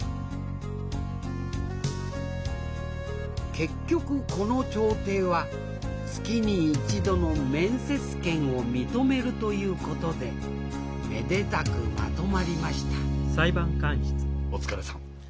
結局この調停は月に一度の面接権を認めるということでめでたくまとまりましたお疲れさん。